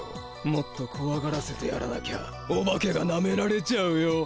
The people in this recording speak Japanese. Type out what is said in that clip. もっとこわがらせてやらなきゃお化けがなめられちゃうよ。